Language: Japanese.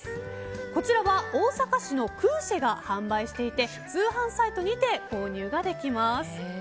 こちらは大阪市のクーシェが販売していて通販サイトにて購入ができます。